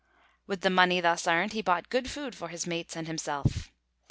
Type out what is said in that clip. With the money thus earned, he bought good food for his mates and himself.